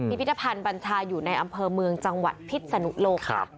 พิพิธภัณฑ์บัญชาอยู่ในอำเภอเมืองจังหวัดพิษนุโลกค่ะ